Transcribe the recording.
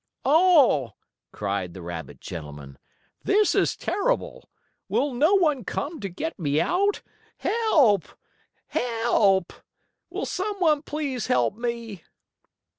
"Oh!" cried the rabbit gentleman. "This is terrible. Will no one come to get me out? Help! Help! Will some one please help me?"